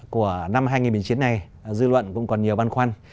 của năm hai nghìn một mươi chín này dư luận cũng còn nhiều băn khoăn